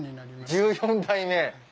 １４代目。